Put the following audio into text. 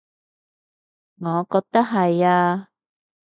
我覺得係呀